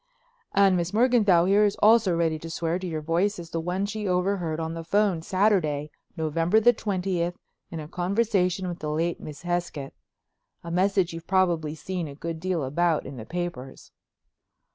"And Miss Morganthau here is also ready to swear to your voice as the one she overheard on the phone Saturday, November the twentieth, in a conversation with the late Miss Hesketh—a message you've probably seen a good deal about in the papers."